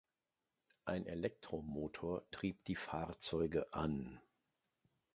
Ein Elektromotor trieb die Fahrzeuge an.